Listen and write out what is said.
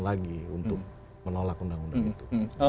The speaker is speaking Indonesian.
lagi untuk menolak undang undang itu